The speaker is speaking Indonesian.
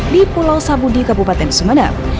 di pulau sabudi kabupaten sumeneb